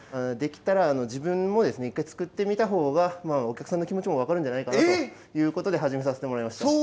できたら自分もですね一回作ってみたほうがお客さんの気持ちも分かるんじゃないかなということで始めさせてもらいました。